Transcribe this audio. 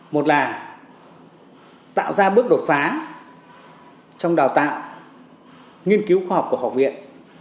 một là tạo ra bước đột phá trong đào tạo nghiên cứu khoa học của học viện